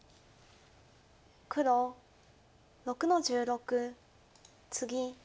黒６の十六ツギ。